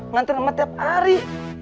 nganterin emang tiap hari